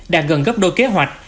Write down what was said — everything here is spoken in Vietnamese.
đạt gần gấp đôi kế hoạch